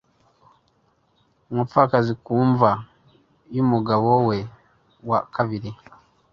Umupfakazi ku mva yumugabo we wa kabiri